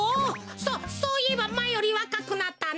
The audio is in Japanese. そそういえばまえよりわかくなったな。